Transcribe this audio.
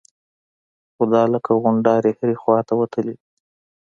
خو دا لکه غونډارې هرې خوا ته وتلي وي.